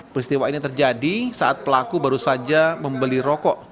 peristiwa ini terjadi saat pelaku baru saja membeli rokok